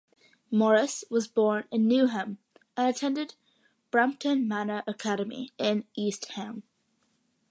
Morris was born in Newham and attended Brampton Manor Academy in East Ham.